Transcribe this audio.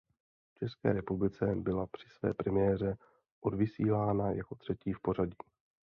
V České republice byla při své premiéře odvysílána jako třetí v pořadí.